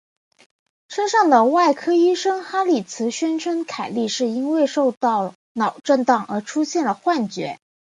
车上的外科医师哈里兹宣称凯莉是因为受到脑震荡而出现了幻觉。